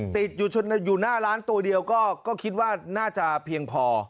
ติดอยู่หน้าร้านตัวเดียวก็คิดว่าน่าจะเพียงพอ